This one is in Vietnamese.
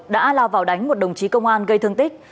đã lao vào đánh một đồng chí công an gây thương tích